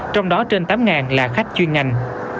trong đó trên tám là khách chuyên ngành